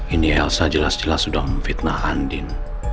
ini elsa jelas jelas udah memfitnah andien